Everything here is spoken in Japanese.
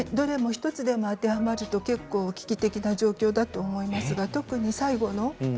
１つでも当てはまると危機的な状況だと思いますが特に最後の。